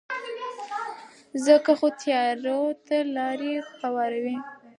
ځکه خو تیارو ته لارې هواروي.